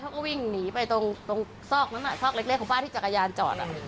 เขาก็วิ่งหนีไปตรงซอกนั้นซอกเล็กของบ้านที่จักรยานจอด